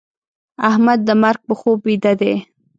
احمد د مرګ په خوب بيده دی.